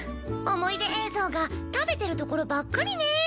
思い出映像が食べてるところばっかりね。